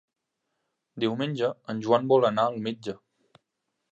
Diumenge en Joan vol anar al metge.